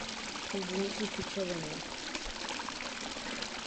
Na podstavci je umístěn téměř šest metrů vysoký sloup se sochou.